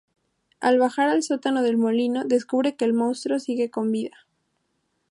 Al bajar al sótano del molino, descubre que el monstruo sigue con vida.